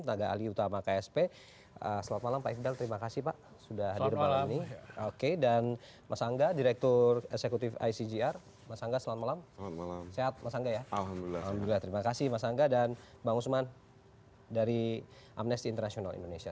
alhamdulillah terima kasih mas angga dan bang usman dari amnesty international indonesia